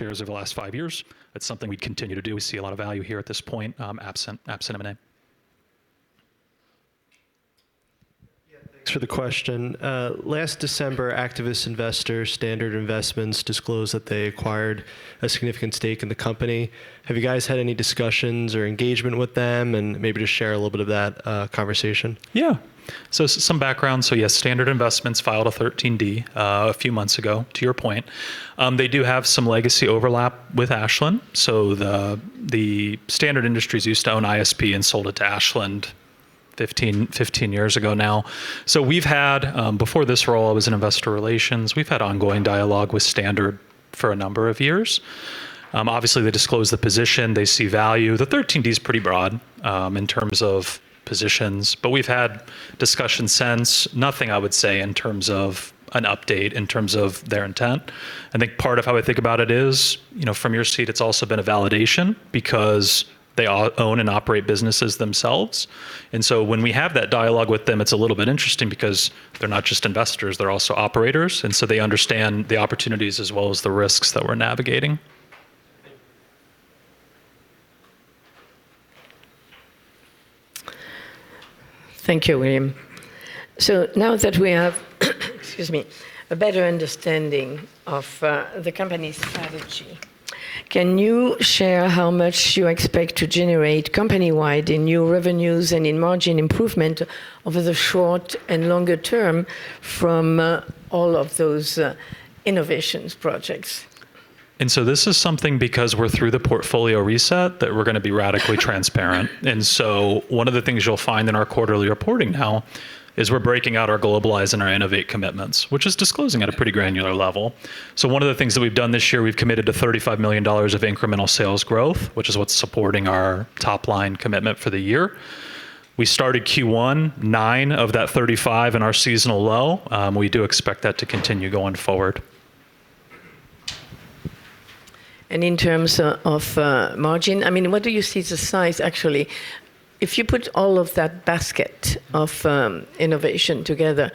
Shares over the last five years. That's something we continue to do. We see a lot of value here at this point, absent M&A. Yeah, thanks for the question. Last December, activist investor Standard Investments disclosed that they acquired a significant stake in the company. Have you guys had any discussions or engagement with them? Maybe just share a little bit of that conversation. Yeah. Some background. Yes, Standard Investments filed a 13D a few months ago, to your point. They do have some legacy overlap with Ashland. Standard Industries used to own ISP and sold it to Ashland 15 years ago now. We've had before this role, I was in investor relations. We've had ongoing dialogue with Standard for a number of years. Obviously, they disclose the position. They see value. The 13D is pretty broad in terms of positions, but we've had discussions since. Nothing I would say in terms of an update, in terms of their intent. I think part of how I think about it is, you know, from your seat, it's also been a validation because they own and operate businesses themselves. When we have that dialogue with them, it's a little bit interesting because they're not just investors, they're also operators, and so they understand the opportunities as well as the risks that we're navigating. Thank you, William. Now that we have, excuse me, a better understanding of the company's strategy, can you share how much you expect to generate company-wide in new revenues and in margin improvement over the short and longer term from all of those innovations projects? This is something, because we're through the portfolio reset, that we're gonna be radically transparent. One of the things you'll find in our quarterly reporting now is we're breaking out our globalize and our innovate commitments, which is disclosing at a pretty granular level. One of the things that we've done this year, we've committed to $35 million of incremental sales growth, which is what's supporting our top-line commitment for the year. We started Q1, nine of that 35 in our seasonal low. We do expect that to continue going forward. In terms of margin, I mean, what do you see the size actually? If you put all of that basket of innovation together,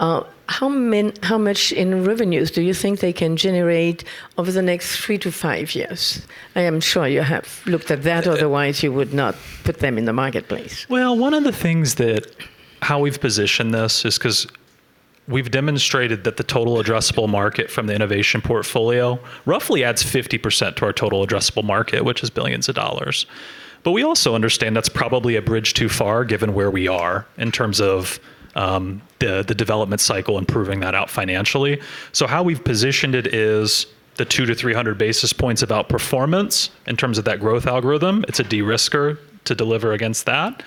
how much in revenues do you think they can generate over the next three to five years? I am sure you have looked at that, otherwise you would not put them in the marketplace. Well, how we've positioned this is 'cause we've demonstrated that the total addressable market from the innovation portfolio roughly adds 50% to our total addressable market, which is billions of dollars. We also understand that's probably a bridge too far, given where we are in terms of the development cycle and proving that out financially. How we've positioned it is the 200-300 basis points about performance in terms of that growth algorithm. It's a de-risker to deliver against that.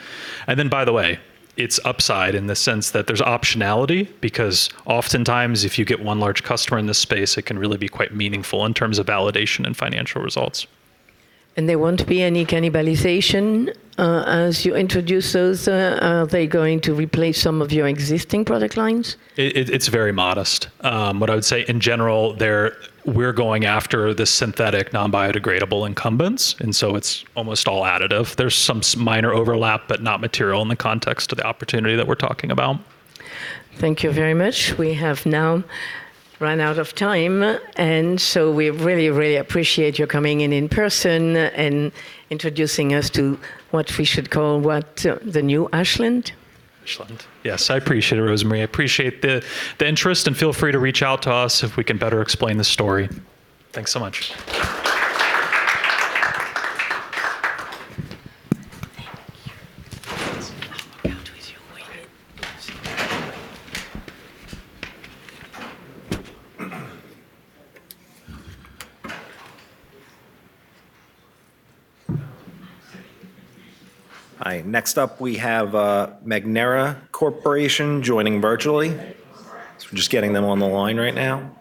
By the way, it's upside in the sense that there's optionality, because oftentimes if you get one large customer in this space, it can really be quite meaningful in terms of validation and financial results. There won't be any cannibalization, as you introduce those? Are they going to replace some of your existing product lines? It's very modest. What I would say in general, we're going after the synthetic non-biodegradable incumbents, and so it's almost all additive. There's some minor overlap, but not material in the context of the opportunity that we're talking about. Thank you very much. We have now run out of time, and so we really, really appreciate your coming in in person and introducing us to what we should call, what, the new Ashland? Ashland. Yes. I appreciate it, Rosemarie. I appreciate the interest, and feel free to reach out to us if we can better explain the story. Thanks so much. I'll walk out with you, William. All right. All right. Next up, we have Magnera Corporation joining virtually. We're just getting them on the line right now.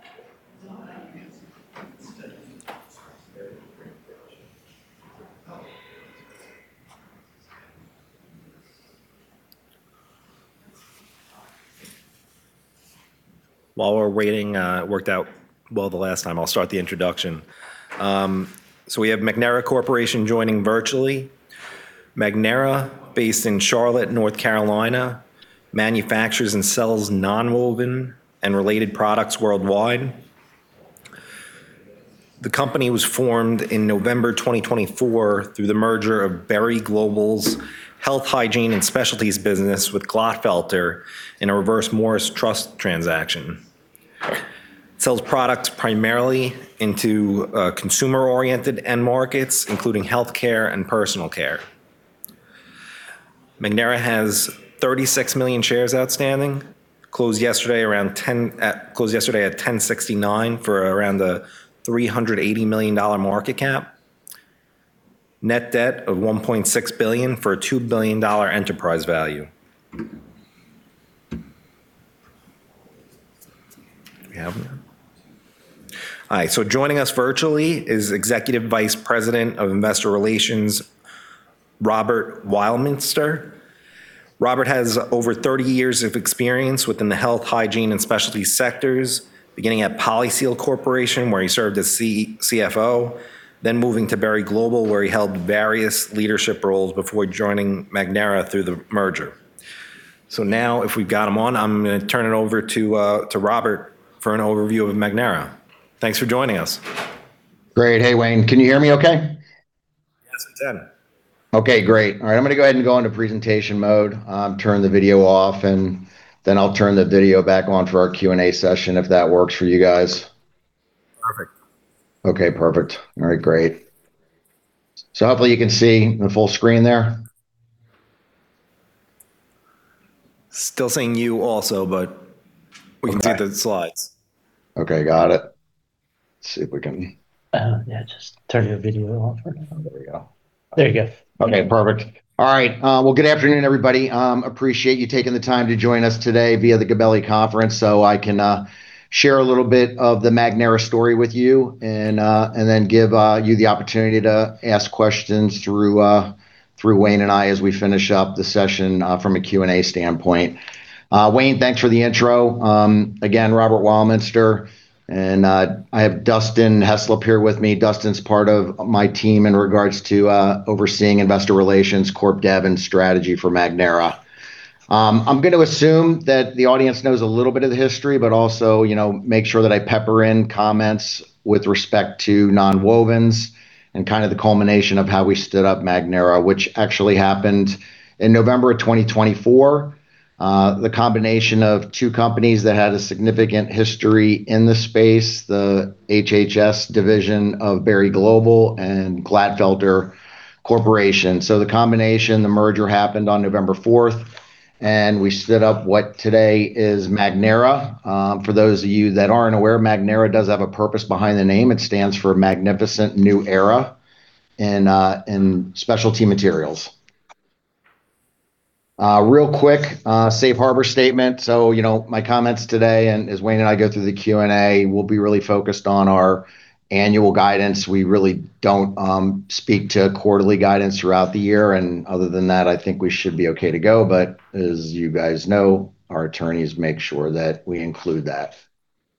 While we're waiting, it worked out well the last time. I'll start the introduction. We have Magnera Corporation joining virtually. Magnera, based in Charlotte, North Carolina, manufactures and sells nonwoven and related products worldwide. The company was formed in November 2024 through the merger of Berry Global's Health, Hygiene and Specialties business with Glatfelter in a reverse Morris Trust transaction. Sells products primarily into consumer-oriented end markets, including healthcare and personal care. Magnera has 36 million shares outstanding. Closed yesterday at 10.69 for around a $380 million market cap. Net debt of $1.6 billion for a $2 billion enterprise value. Do we have them? All right, joining us virtually is Executive Vice President of Investor Relations, Robert Weilminster. Robert has over 30 years of experience within the health, hygiene, and specialty sectors, beginning at PolySeal Corporation, where he served as CFO, then moving to Berry Global, where he held various leadership roles before joining Magnera through the merger. Now if we've got him on, I'm gonna turn it over to Robert for an overview of Magnera. Thanks for joining us. Great. Hey, Wayne. Can you hear me okay? Yes, it's in. Okay, great. All right, I'm gonna go ahead and go into presentation mode, turn the video off, and then I'll turn the video back on for our Q&A session if that works for you guys. Perfect. Okay, perfect. All right, great. Hopefully you can see the full screen there. Okay, perfect. All right. Well, good afternoon, everybody. Appreciate you taking the time to join us today via the Gabelli Conference, so I can share a little bit of the Magnera story with you and then give you the opportunity to ask questions through Wayne and I as we finish up the session from a Q&A standpoint. Wayne, thanks for the intro. Again, Robert Womaster, and I have Dustin Heslep here with me. Dustin's part of my team in regards to overseeing investor relations, corp dev, and strategy for Magnera. I'm going to assume that the audience knows a little bit of the history, but also, you know, make sure that I pepper in comments with respect to nonwovens and kind of the culmination of how we stood up Magnera, which actually happened in November of 2024. The combination of two companies that had a significant history in the space, the HHS division of Berry Global and Glatfelter Corporation. The combination, the merger happened on November fourth, and we stood up what today is Magnera. For those of you that aren't aware, Magnera does have a purpose behind the name. It stands for Magnificent New Era in specialty materials. Real quick, safe harbor statement. You know, my comments today, and as Wayne and I go through the Q&A, we'll be really focused on our annual guidance. We really don't speak to quarterly guidance throughout the year. Other than that, I think we should be okay to go. As you guys know, our attorneys make sure that we include that.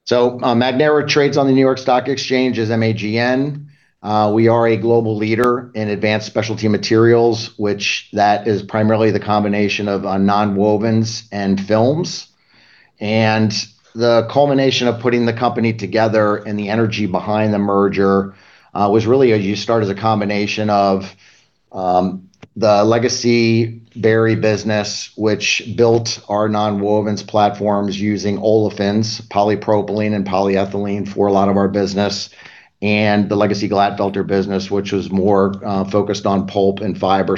Magnera trades on the New York Stock Exchange as MAGN. We are a global leader in advanced specialty materials, which is primarily the combination of nonwovens and films. The culmination of putting the company together and the energy behind the merger was really a combination of the legacy Berry business, which built our nonwovens platforms using olefins, polypropylene and polyethylene for a lot of our business, and the legacy Glatfelter business, which was more focused on pulp and fiber.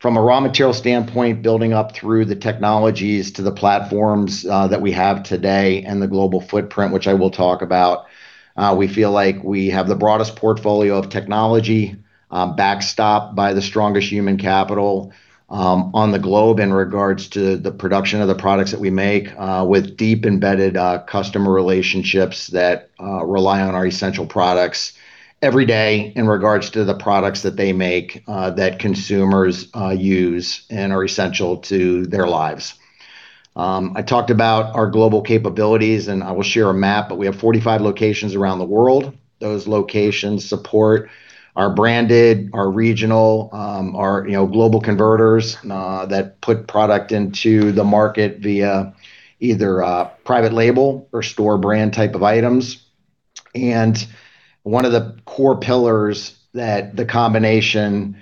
From a raw material standpoint, building up through the technologies to the platforms that we have today and the global footprint, which I will talk about, we feel like we have the broadest portfolio of technology backstopped by the strongest human capital on the globe in regards to the production of the products that we make with deeply embedded customer relationships that rely on our essential products every day in regards to the products that they make that consumers use and are essential to their lives. I talked about our global capabilities, and I will share a map, but we have 45 locations around the world. Those locations support our branded, our regional, our you know global converters that put product into the market via either private label or store brand type of items. One of the core pillars that the combination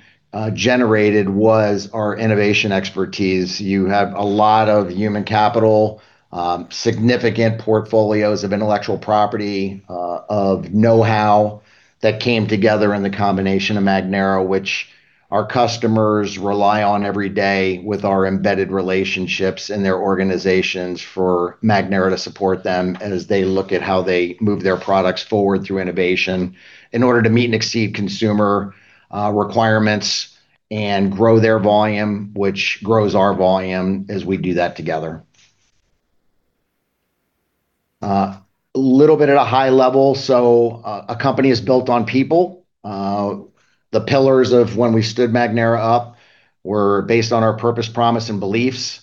generated was our innovation expertise. You have a lot of human capital, significant portfolios of intellectual property, of know-how that came together in the combination of Magnera, which our customers rely on every day with our embedded relationships in their organizations for Magnera to support them as they look at how they move their products forward through innovation in order to meet and exceed consumer, requirements and grow their volume, which grows our volume as we do that together. A little bit at a high level. A company is built on people. The pillars of when we stood Magnera up were based on our purpose, promise, and beliefs.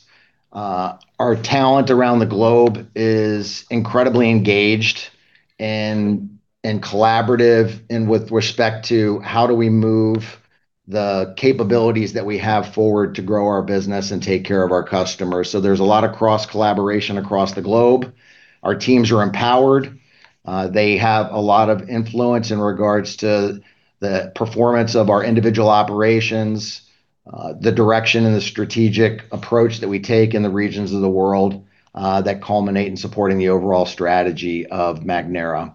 Our talent around the globe is incredibly engaged and collaborative and with respect to how do we move the capabilities that we have forward to grow our business and take care of our customers. There's a lot of cross-collaboration across the globe. Our teams are empowered. They have a lot of influence in regards to the performance of our individual operations, the direction and the strategic approach that we take in the regions of the world, that culminate in supporting the overall strategy of Magnera.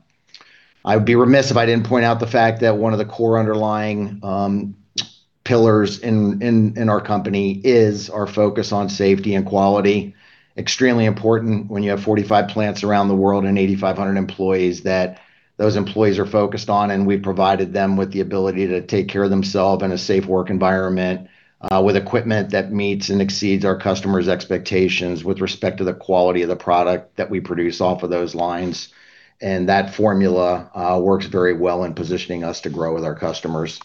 I would be remiss if I didn't point out the fact that one of the core underlying pillars in our company is our focus on safety and quality. Extremely important when you have 45 plants around the world and 8,500 employees that those employees are focused on, and we've provided them with the ability to take care of themselves in a safe work environment, with equipment that meets and exceeds our customers' expectations with respect to the quality of the product that we produce off of those lines. That formula works very well in positioning us to grow with our customers.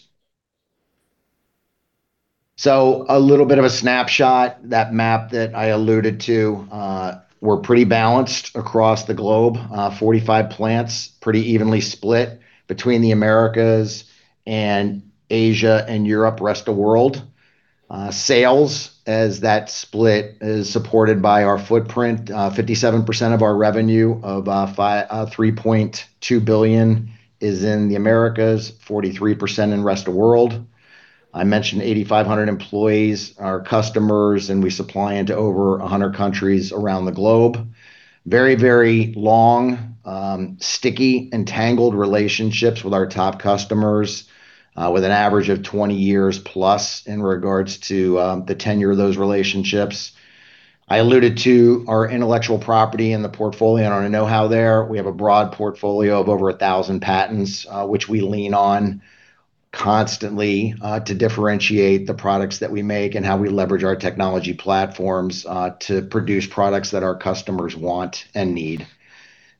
A little bit of a snapshot, that map that I alluded to, we're pretty balanced across the globe. 45 plants, pretty evenly split between the Americas and Asia and Europe, rest of world. Sales, as that split, is supported by our footprint. 57% of our revenue of $3.2 billion is in the Americas, 43% in rest of world. I mentioned 8,500 employees, our customers, and we supply into over 100 countries around the globe. Very, very long, sticky, entangled relationships with our top customers, with an average of 20+ years in regards to the tenure of those relationships. I alluded to our intellectual property in the portfolio and our know-how there. We have a broad portfolio of over 1,000 patents, which we lean on constantly, to differentiate the products that we make and how we leverage our technology platforms, to produce products that our customers want and need.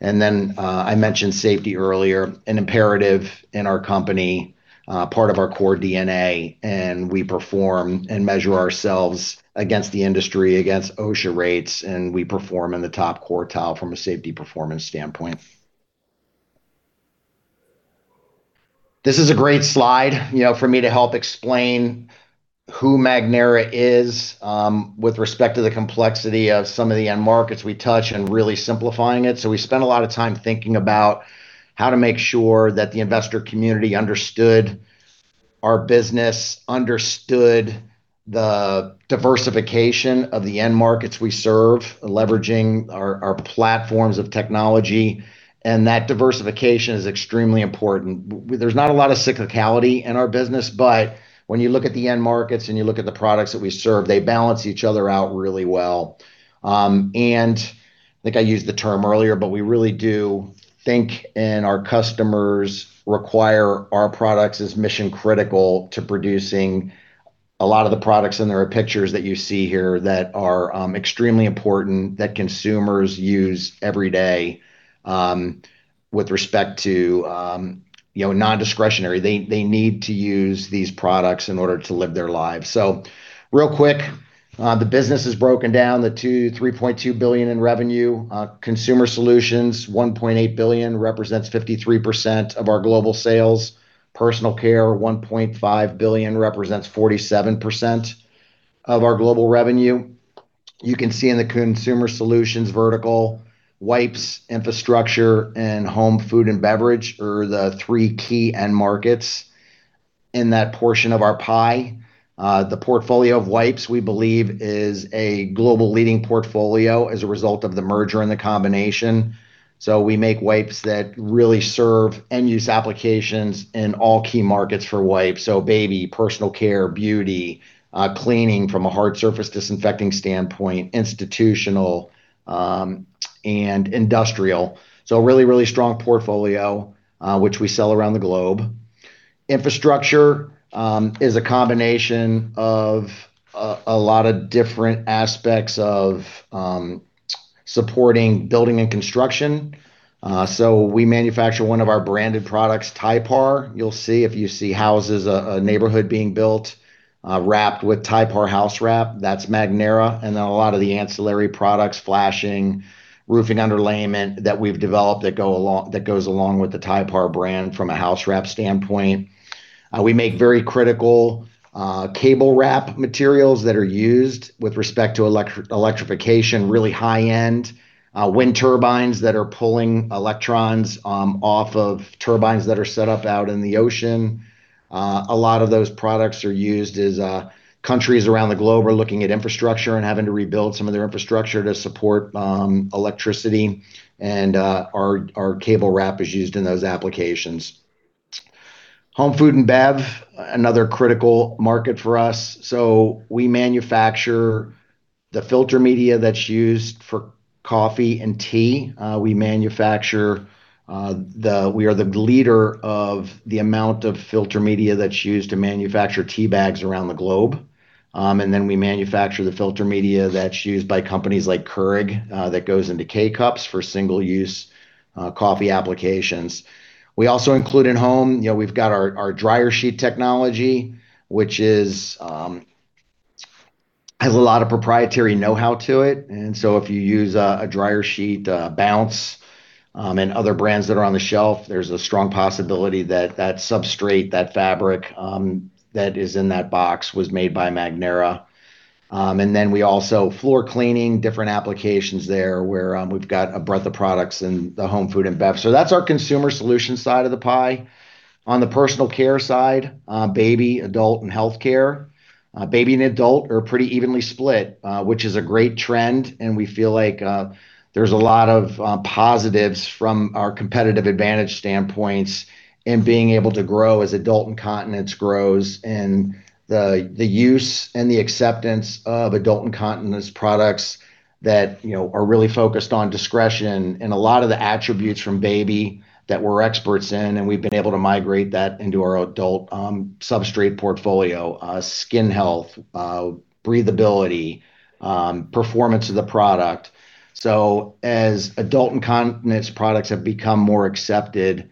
I mentioned safety earlier, an imperative in our company, part of our core DNA, and we perform and measure ourselves against the industry, against OSHA rates, and we perform in the top quartile from a safety performance standpoint. This is a great slide, you know, for me to help explain who Magnera is, with respect to the complexity of some of the end markets we touch and really simplifying it. We spent a lot of time thinking about how to make sure that the investor community understood our business, understood the diversification of the end markets we serve, leveraging our platforms of technology, and that diversification is extremely important. There's not a lot of cyclicality in our business, but when you look at the end markets and you look at the products that we serve, they balance each other out really well. I think I used the term earlier, but we really do think and our customers require our products as mission-critical to producing a lot of the products, and there are pictures that you see here that are extremely important that consumers use every day, with respect to, you know, non-discretionary. They need to use these products in order to live their lives. Real quick, the business is broken down to $3.2 billion in revenue. Consumer solutions, $1.8 billion represents 53% of our global sales. Personal care, $1.5 billion represents 47% of our global revenue. You can see in the consumer solutions vertical, wipes, infrastructure, and home, food, and beverage are the three key end markets in that portion of our pie. The portfolio of wipes, we believe, is a global leading portfolio as a result of the merger and the combination. We make wipes that really serve end-use applications in all key markets for wipes. Baby, personal care, beauty, cleaning from a hard surface disinfecting standpoint, institutional, and industrial. A really strong portfolio, which we sell around the globe. Infrastructure is a combination of a lot of different aspects of supporting building and construction. We manufacture one of our branded products, Typar. You'll see if you see houses, a neighborhood being built, wrapped with Typar house wrap, that's Magnera. Then a lot of the ancillary products, flashing, roofing underlayment that we've developed that goes along with the Typar brand from a house wrap standpoint. We make very critical cable wrap materials that are used with respect to electrification, really high-end wind turbines that are pulling electrons off of turbines that are set up out in the ocean. A lot of those products are used as countries around the globe are looking at infrastructure and having to rebuild some of their infrastructure to support electricity and our cable wrap is used in those applications. Home, food, and bev, another critical market for us. We manufacture the filter media that's used for coffee and tea. We manufacture the-- We are the leader of the amount of filter media that's used to manufacture tea bags around the globe. We manufacture the filter media that's used by companies like Keurig that goes into K-Cups for single-use coffee applications. We also include in home, you know, we've got our dryer sheet technology, which has a lot of proprietary know-how to it. If you use a dryer sheet, Bounce, and other brands that are on the shelf, there's a strong possibility that that substrate, that fabric, that is in that box was made by Magnera. We also floor cleaning, different applications there where we've got a breadth of products in the home, food, and bev. That's our consumer solution side of the pie. On the personal care side, baby, adult, and healthcare. Baby and adult are pretty evenly split, which is a great trend, and we feel like there's a lot of positives from our competitive advantage standpoints in being able to grow as adult incontinence grows and the use and the acceptance of adult incontinence products that, you know, are really focused on discretion and a lot of the attributes from baby that we're experts in, and we've been able to migrate that into our adult substrate portfolio, skin health, breathability, performance of the product. As adult incontinence products have become more accepted,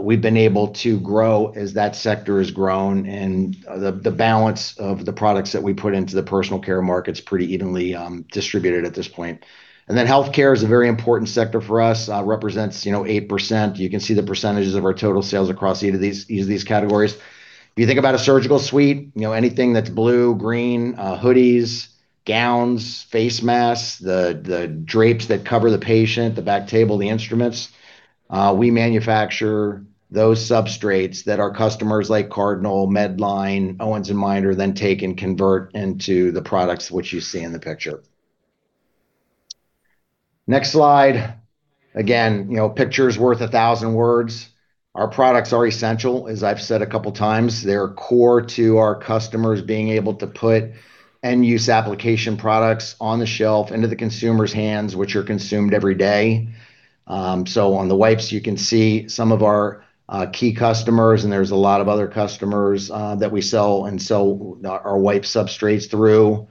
we've been able to grow as that sector has grown and the balance of the products that we put into the personal care market's pretty evenly distributed at this point. Healthcare is a very important sector for us, represents, you know, 8%. You can see the percentages of our total sales across each of these categories. You think about a surgical suite, you know, anything that's blue, green, hoodies, gowns, face masks, the drapes that cover the patient, the back table, the instruments, we manufacture those substrates that our customers like Cardinal, Medline, Owens & Minor then take and convert into the products which you see in the picture. Next slide. Again, you know, picture's worth a thousand words. Our products are essential, as I've said a couple times. They're core to our customers being able to put end-use application products on the shelf into the consumer's hands, which are consumed every day. On the wipes, you can see some of our key customers, and there's a lot of other customers that we sell our wipe substrates through.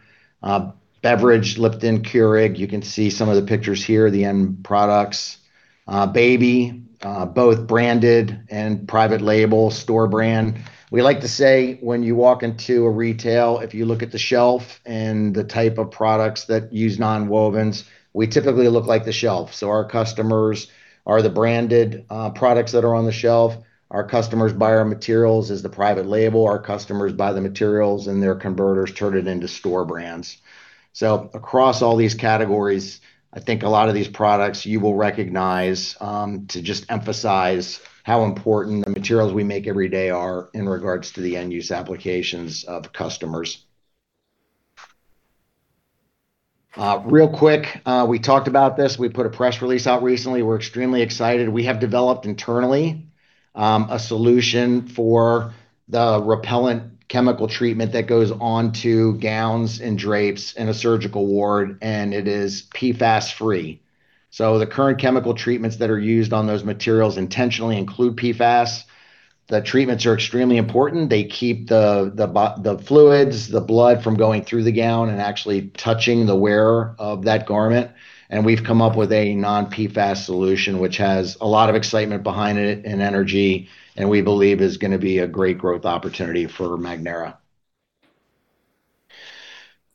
Beverage, Lipton, Keurig, you can see some of the pictures here, the end products. Baby, both branded and private label store brand. We like to say when you walk into a retail, if you look at the shelf and the type of products that use nonwovens, we typically look like the shelf. Our customers are the branded products that are on the shelf. Our customers buy our materials as the private label. Our customers buy the materials, and their converters turn it into store brands. Across all these categories, I think a lot of these products you will recognize, to just emphasize how important the materials we make every day are in regards to the end-use applications of customers. Real quick, we talked about this. We put a press release out recently. We're extremely excited. We have developed internally a solution for the repellent chemical treatment that goes onto gowns and drapes in a surgical ward, and it is PFAS-free. The current chemical treatments that are used on those materials intentionally include PFAS. The treatments are extremely important. They keep the fluids, the blood from going through the gown and actually touching the wearer of that garment. We've come up with a non-PFAS solution which has a lot of excitement behind it and energy, and we believe is gonna be a great growth opportunity for Magnera.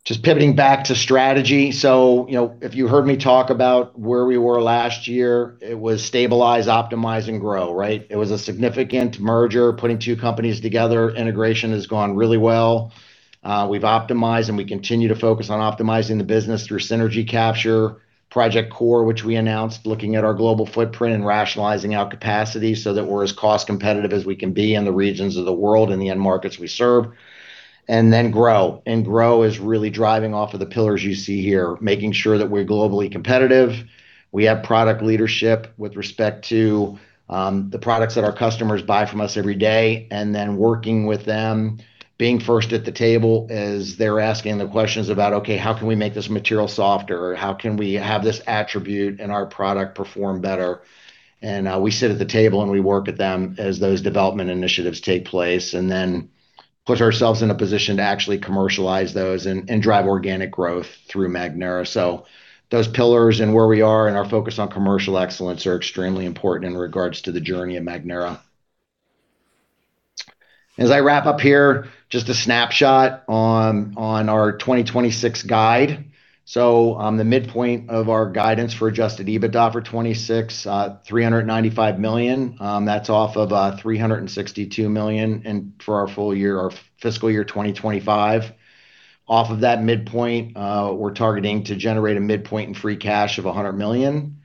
Just pivoting back to strategy. You know, if you heard me talk about where we were last year, it was stabilize, optimize, and grow, right? It was a significant merger, putting two companies together. Integration has gone really well. We've optimized, and we continue to focus on optimizing the business through synergy capture. Project Core, which we announced, looking at our global footprint and rationalizing our capacity so that we're as cost competitive as we can be in the regions of the world and the end markets we serve. Grow. Grow is really driving off of the pillars you see here, making sure that we're globally competitive. We have product leadership with respect to the products that our customers buy from us every day, and then working with them, being first at the table as they're asking the questions about, "Okay, how can we make this material softer?" or "How can we have this attribute in our product perform better?" We sit at the table, and we work at them as those development initiatives take place, and then put ourselves in a position to actually commercialize those and drive organic growth through Magnera. Those pillars and where we are and our focus on commercial excellence are extremely important in regards to the journey of Magnera. As I wrap up here, just a snapshot on our 2026 guide. The midpoint of our guidance for adjusted EBITDA for 2026, $395 million. That's off of $362 million for our full year, our fiscal year 2025. Off of that midpoint, we're targeting to generate a midpoint in free cash of $100 million,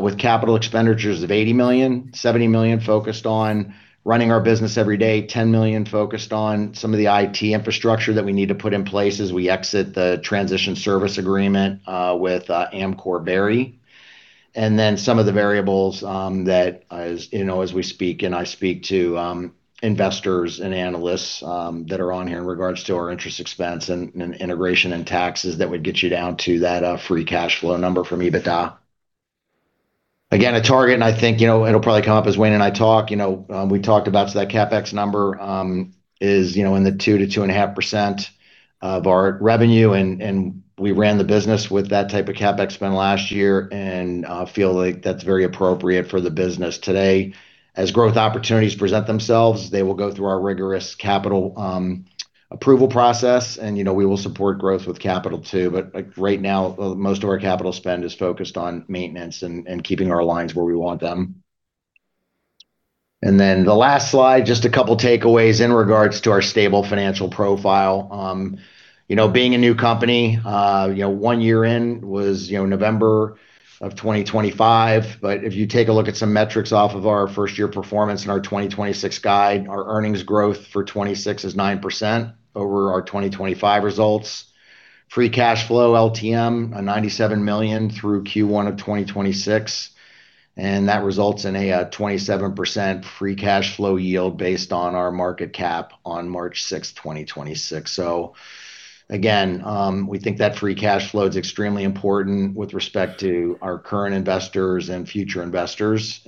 with capital expenditures of $80 million. $70 million focused on running our business every day, $10 million focused on some of the IT infrastructure that we need to put in place as we exit the transition services agreement with Amcor and Berry. Then some of the variables, that as you know, as we speak, and I speak to investors and analysts that are on here in regards to our interest expense and integration and taxes that would get you down to that free cash flow number from EBITDA. Again, a target, and I think, you know, it'll probably come up as Wayne and I talk, you know, we talked about that CapEx number, is, you know, in the 2%-2.5% of our revenue and we ran the business with that type of CapEx spend last year and feel like that's very appropriate for the business today. As growth opportunities present themselves, they will go through our rigorous capital approval process, and, you know, we will support growth with capital too. Like, right now, most of our capital spend is focused on maintenance and keeping our lines where we want them. Then the last slide, just a couple takeaways in regards to our stable financial profile. You know, being a new company, you know, one year in was, you know, November of 2025. If you take a look at some metrics off of our first-year performance and our 2026 guide, our earnings growth for 2026 is 9% over our 2025 results. Free cash flow LTM, $97 million through Q1 of 2026, and that results in a 27% free cash flow yield based on our market cap on March 6, 2026. We think that free cash flow is extremely important with respect to our current investors and future investors.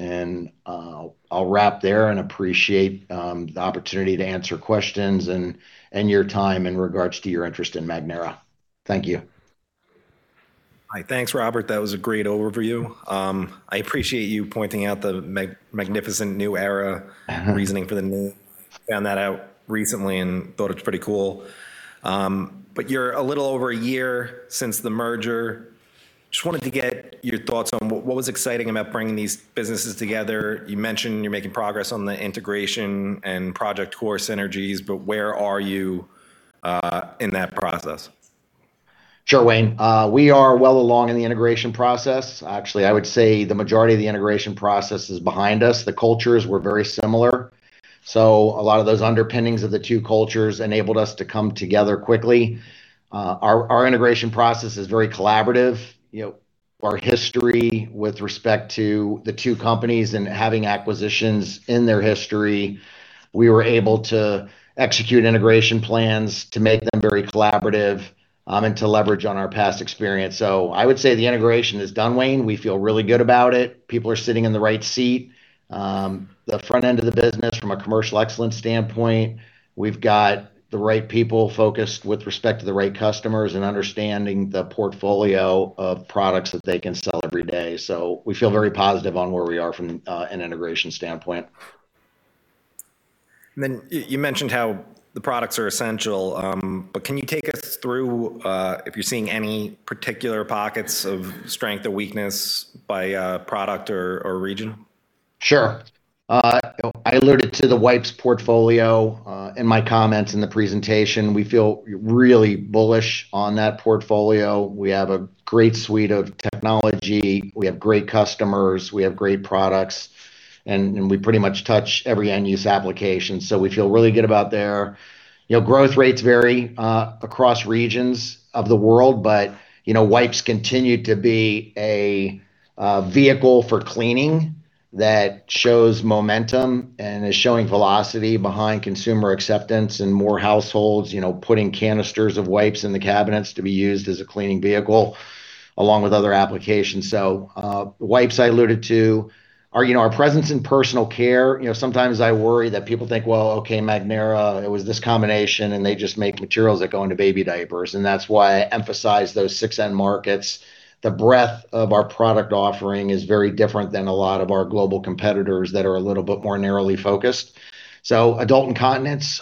I'll wrap there and appreciate the opportunity to answer questions and your time in regards to your interest in Magnera. Thank you. Hi. Thanks, Robert. That was a great overview. I appreciate you pointing out the magnificent new era reasoning for the name. Found that out recently and thought it's pretty cool. You're a little over a year since the merger. Just wanted to get your thoughts on what was exciting about bringing these businesses together. You mentioned you're making progress on the integration and Project Core synergies, but where are you in that process? Sure, Wayne. We are well along in the integration process. Actually, I would say the majority of the integration process is behind us. The cultures were very similar, so a lot of those underpinnings of the two cultures enabled us to come together quickly. Our integration process is very collaborative. You know, our history with respect to the two companies and having acquisitions in their history, we were able to execute integration plans to make them very collaborative, and to leverage on our past experience. I would say the integration is done, Wayne. We feel really good about it. People are sitting in the right seat. The front end of the business from a commercial excellence standpoint, we've got the right people focused with respect to the right customers and understanding the portfolio of products that they can sell every day. We feel very positive on where we are from an integration standpoint. You mentioned how the products are essential, but can you take us through if you're seeing any particular pockets of strength or weakness by product or region? Sure. I alluded to the wipes portfolio in my comments in the presentation. We feel really bullish on that portfolio. We have a great suite of technology, we have great customers, we have great products, and we pretty much touch every end-use application. We feel really good about there. You know, growth rates vary across regions of the world, but you know, wipes continue to be a vehicle for cleaning that shows momentum and is showing velocity behind consumer acceptance and more households, you know, putting canisters of wipes in the cabinets to be used as a cleaning vehicle along with other applications. Wipes I alluded to. You know, our presence in personal care, you know, sometimes I worry that people think, "Well, okay, Magnera, it was this combination and they just make materials that go into baby diapers," and that's why I emphasize those six end markets. The breadth of our product offering is very different than a lot of our global competitors that are a little bit more narrowly focused. Adult incontinence,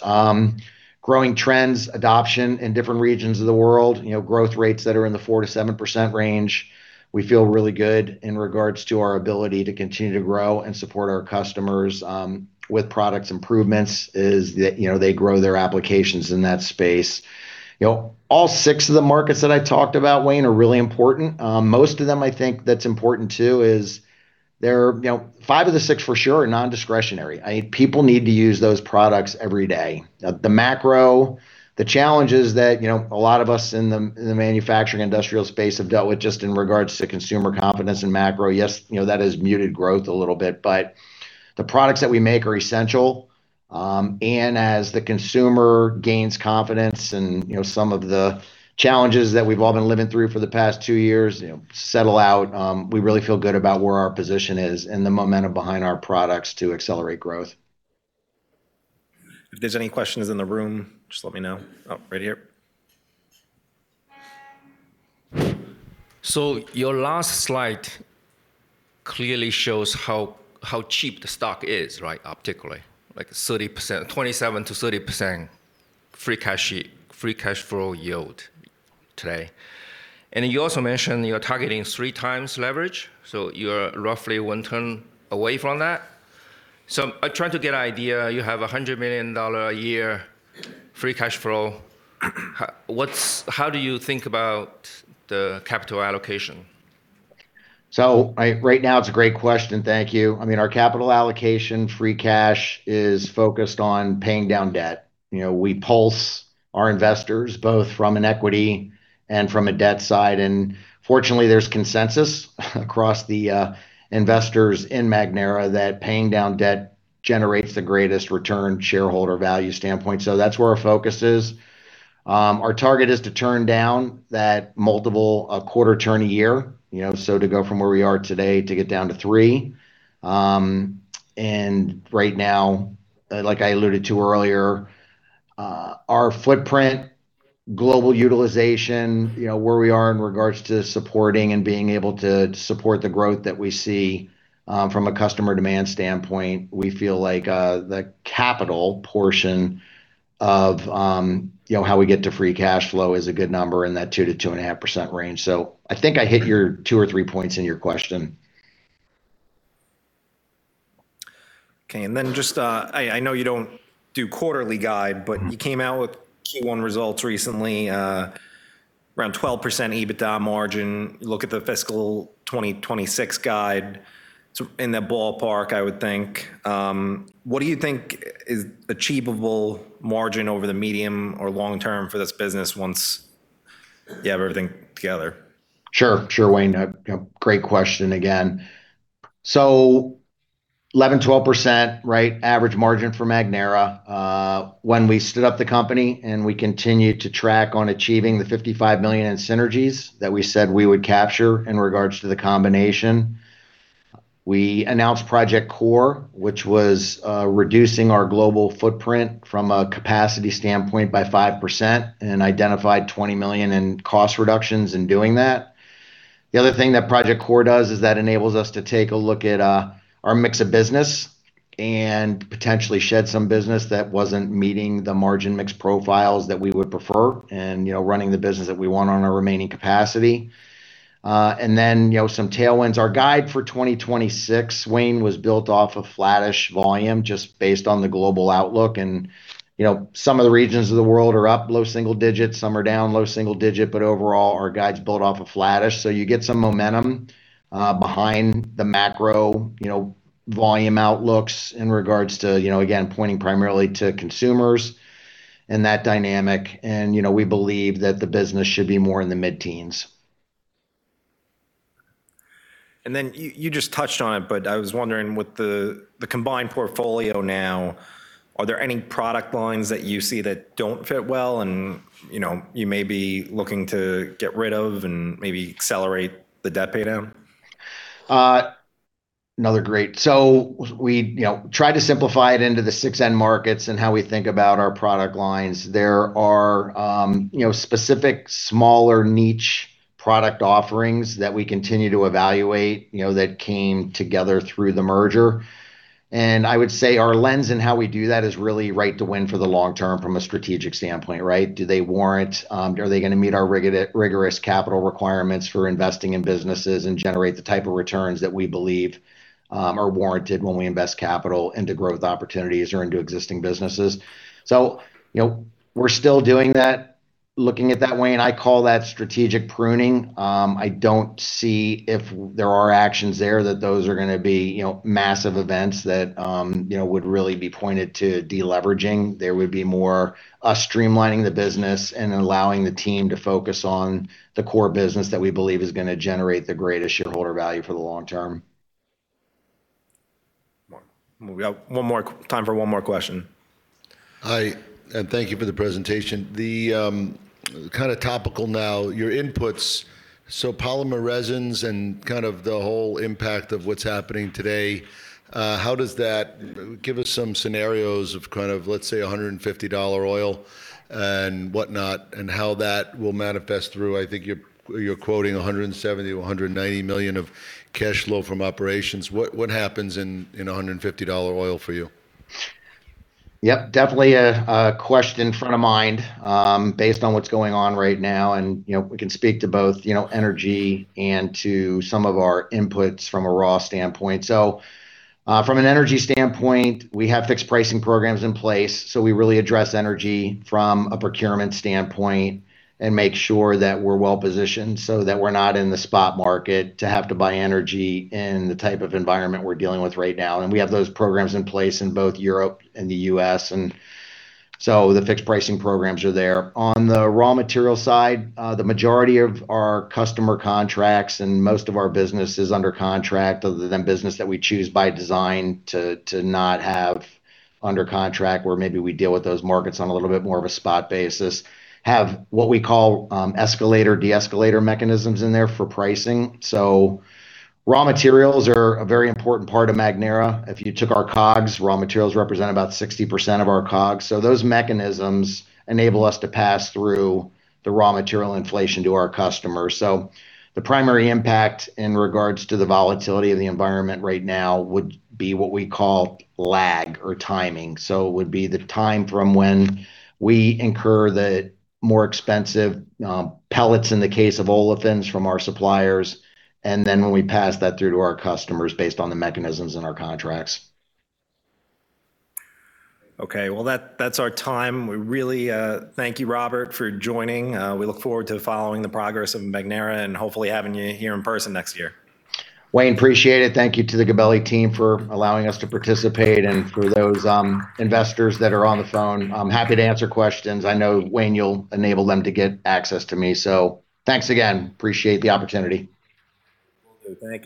growing trends, adoption in different regions of the world, you know, growth rates that are in the 4%-7% range. We feel really good in regards to our ability to continue to grow and support our customers, with products improvements is that, you know, they grow their applications in that space. You know, all six of the markets that I talked about, Wayne, are really important. Most of them I think that's important too is they're, you know, five of the six for sure are non-discretionary. I mean, people need to use those products every day. The macro challenges that, you know, a lot of us in the manufacturing industrial space have dealt with just in regards to consumer confidence and macro, yes, you know, that has muted growth a little bit. The products that we make are essential, and as the consumer gains confidence and, you know, some of the challenges that we've all been living through for the past two years, you know, settle out, we really feel good about where our position is and the momentum behind our products to accelerate growth. If there's any questions in the room, just let me know. Oh, right here. Your last slide clearly shows how cheap the stock is, right? Optically. Like 27%-30% free cash flow yield today. You also mentioned you're targeting 3x leverage, so you're roughly one turn away from that. I try to get an idea, you have $100 million a year free cash flow. How do you think about the capital allocation? Right now it's a great question, thank you. I mean, our capital allocation free cash is focused on paying down debt. You know, we poll our investors both from an equity and from a debt side, and fortunately, there's consensus across the investors in Magnera that paying down debt generates the greatest return shareholder value standpoint, so that's where our focus is. Our target is to turn down that multiple a quarter turn a year, you know, so to go from where we are today to get down to three. Right now, like I alluded to earlier, our footprint, global utilization, you know, where we are in regards to supporting and being able to support the growth that we see, from a customer demand standpoint, we feel like, the capital portion of, you know, how we get to free cash flow is a good number in that 2%-2.5% range. I think I hit your two or three points in your question. Okay, just, I know you don't do quarterly guide but you came out with Q1 results recently, around 12% EBITDA margin. You look at the fiscal 2026 guide, it's in that ballpark I would think. What do you think is achievable margin over the medium or long term for this business once you have everything together? Sure, Wayne. A great question again. 11%-12%, right, average margin for Magnera. When we stood up the company and we continued to track on achieving the $55 million in synergies that we said we would capture in regards to the combination, we announced Project Core, which was reducing our global footprint from a capacity standpoint by 5% and identified $20 million in cost reductions in doing that. The other thing that Project Core does is that enables us to take a look at our mix of business. Potentially shed some business that wasn't meeting the margin mix profiles that we would prefer, and, you know, running the business that we want on our remaining capacity. Then, you know, some tailwinds. Our guide for 2026, Wayne, was built off of flattish volume just based on the global outlook. You know, some of the regions of the world are up low single digits, some are down low single digits. Overall, our guide's built off of flattish. You get some momentum behind the macro, you know, volume outlooks in regards to, you know, again, pointing primarily to consumers and that dynamic. You know, we believe that the business should be more in the mid-teens. You just touched on it, but I was wondering with the combined portfolio now, are there any product lines that you see that don't fit well and, you know, you may be looking to get rid of and maybe accelerate the debt pay down? We, you know, try to simplify it into the six end markets and how we think about our product lines. There are, you know, specific smaller niche product offerings that we continue to evaluate, you know, that came together through the merger. I would say our lens in how we do that is really right to win for the long term from a strategic standpoint, right? Do they warrant, are they gonna meet our rigorous capital requirements for investing in businesses and generate the type of returns that we believe, are warranted when we invest capital into growth opportunities or into existing businesses? You know, we're still doing that, looking at that, Wayne. I call that strategic pruning. I don't see if there are actions there that those are gonna be, you know, massive events that, you know, would really be pointed to deleveraging. There would be more us streamlining the business and allowing the team to focus on the core business that we believe is gonna generate the greatest shareholder value for the long term. We have one more time for one more question. Hi, thank you for the presentation. The kind of topical now, your inputs. Polymer resins and kind of the whole impact of what's happening today, how does that give us some scenarios of kind of, let's say, $150 oil and whatnot, and how that will manifest through. I think you're quoting $170 million-$190 million of cash flow from operations. What happens in $150 oil for you? Yep, definitely a question front of mind, based on what's going on right now. You know, we can speak to both, you know, energy and to some of our inputs from a raw standpoint. From an energy standpoint, we have fixed pricing programs in place, so we really address energy from a procurement standpoint and make sure that we're well-positioned so that we're not in the spot market to have to buy energy in the type of environment we're dealing with right now. We have those programs in place in both Europe and the U.S., and so the fixed pricing programs are there. On the raw material side, the majority of our customer contracts and most of our business is under contract other than business that we choose by design to not have under contract, where maybe we deal with those markets on a little bit more of a spot basis, have what we call escalator, de-escalator mechanisms in there for pricing. Raw materials are a very important part of Magnera. If you took our COGS, raw materials represent about 60% of our COGS. Those mechanisms enable us to pass through the raw material inflation to our customers. The primary impact in regards to the volatility of the environment right now would be what we call lag or timing. It would be the time from when we incur the more expensive pellets in the case of Olefins from our suppliers, and then when we pass that through to our customers based on the mechanisms in our contracts. Okay. Well, that's our time. We really thank you, Robert, for joining. We look forward to following the progress of Magnera and hopefully having you here in person next year. Wayne, appreciate it. Thank you to the Gabelli team for allowing us to participate. For those investors that are on the phone, I'm happy to answer questions. I know, Wayne, you'll enable them to get access to me. Thanks again. Appreciate the opportunity. Thank you.